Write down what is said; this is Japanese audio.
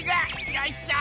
よいしょ！